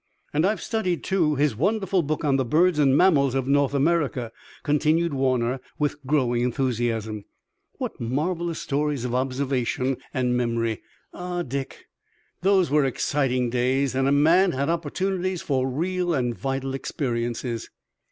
"And I've studied, too, his wonderful book on the Birds and Mammals of North America," continued Warner with growing enthusiasm. "What marvelous stores of observation and memory! Ah, Dick, those were exciting days, and a man had opportunities for real and vital experiences!"